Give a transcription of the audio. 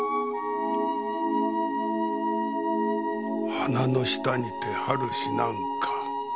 「花の下にて春死なむ」か。